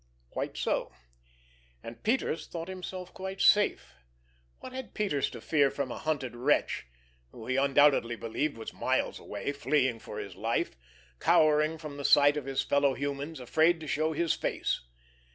Quite so! And Peters thought himself quite safe. What had Peters to fear from a hunted wretch who he undoubtedly believed was miles away, fleeing for his life, cowering from the sight of his fellow humans, afraid to show his face?